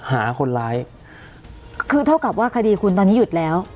หาคนร้ายคือเท่ากับว่าคดีคุณตอนนี้หยุดแล้ว